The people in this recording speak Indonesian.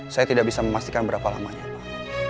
saya tidak bisa memastikan berapa lamanya pak